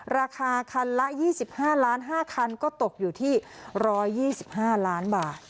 ราคาคันละยี่สิบห้าล้านห้าคันก็ตกอยู่ที่รอยยี่สิบห้าล้านบาท